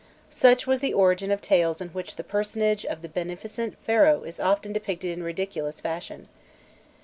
Such was the origin of tales in which the personage of the beneficent Pharaoh is often depicted in ridiculous fashion.